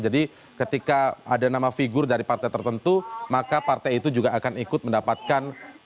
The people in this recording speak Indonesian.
jadi ketika ada nama figur dari partai tertentu maka partai itu juga akan ikut mendapatkan